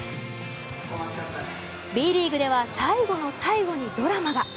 Ｂリーグでは最後の最後にドラマが。